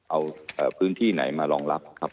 เอาพื้นที่ไหนมารองรับครับ